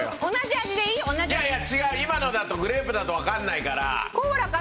いやいや違う今のだとグレープだとわかんないから。